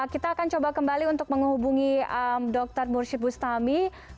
kita akan coba kembali untuk menghubungi dr mursyid bustami